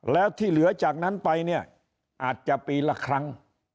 แล้วที่เหลือจากนั้นไปเนี่ยอาจจะปีละครั้ง